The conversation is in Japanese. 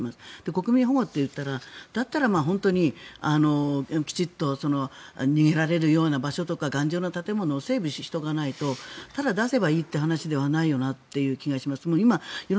国民保護といったらだったら本当にきちんと逃げられるような場所とか頑丈な建物を整備しておかないとただ出せばいいという話ではないよなという気がします。